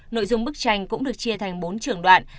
nội dung bức tranh cũng được chia thành bốn trường đoạn